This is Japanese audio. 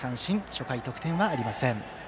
初回得点はありません。